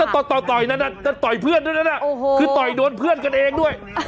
ต่อยเพื่อนด้วยคือต่อยโดนเพื่อนกันเองด้วย